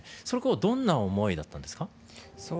それはどんな思いだったんですか？